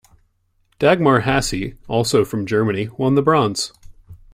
Dagmar Hase, also from Germany, won the bronze.